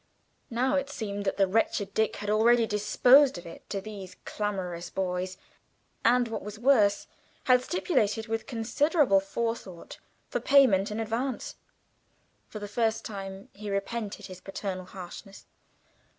Now it seemed that the wretched Dick had already disposed of it to these clamorous boys, and, what was worse, had stipulated with considerable forethought for payment in advance. For the first time he repented his paternal harshness.